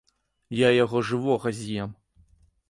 Я яго жывога з'ем.